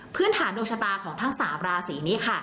พื้นฐานดวงชะตาของทั้ง๓ราศีนี้ค่ะ